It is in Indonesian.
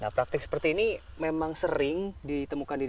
nah praktik seperti ini memang sering ditemukan di sini